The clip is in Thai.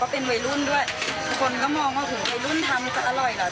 เพราะว่าเราเป็นแม่ค้าหน้าใหม่แล้วก็เป็นวัยรุ่นด้วย